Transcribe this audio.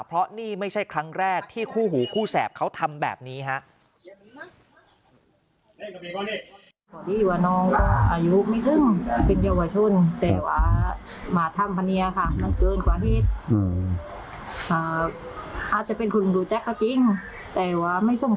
เพราะนี่ไม่ใช่ครั้งแรกที่คู่หูคู่แสบเขาทำแบบนี้ฮะ